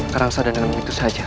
kalau sadar dengan begitu saja